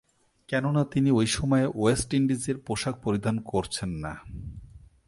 কেননা, তিনি ঐ সময়ে ওয়েস্ট ইন্ডিজের পোশাক পরিধান করছেন না।